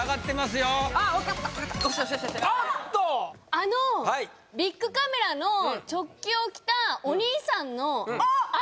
あのビックカメラのチョッキを着たお兄さんの足！